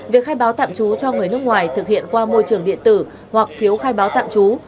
việc khai báo tạm trú cho người nước ngoài thực hiện qua môi trường điện tử hoặc phiếu khai báo tạm trú